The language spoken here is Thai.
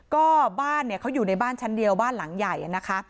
ก็บ้านเนี่ยเขาอยู่ในบ้านชั้นเดียวบ้านหลังใหญ่นะคะ